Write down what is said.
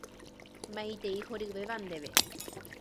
Maitei horyvéva ndéve.